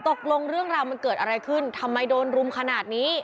ตกลงเรื่องราวมันเกิดอะไรขึ้นทำไมโดนรุมขนาดนี้